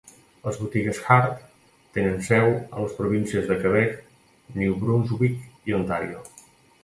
Les botigues Hart tenen seu a les províncies de Quebec, New Brunswick i Ontario.